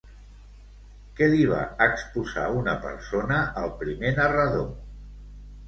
Què li va exposar una persona al primer narrador?